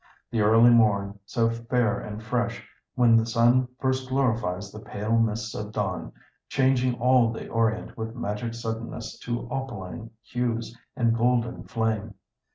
The early morn, so fair and fresh, when the sun first glorifies the pale mists of dawn, changing all the Orient with magic suddenness to opaline hues and golden flame.